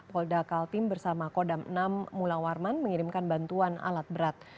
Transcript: polda kaltim bersama kodam enam mula warman mengirimkan bantuan alat berat